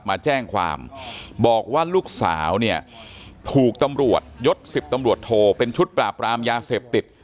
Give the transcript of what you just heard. มาแจ้งความบอกว่าลูกสาวเนี่ยถูกตำรวจยศ๑๐ตำรวจโทเป็นชุดปราบรามยาเสพติด